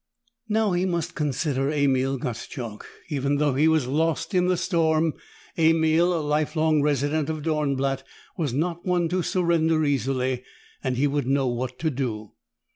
Now he must consider Emil Gottschalk. Even though he was lost in the storm, Emil, a lifelong resident of Dornblatt, was not one to surrender easily, and he would know what to do.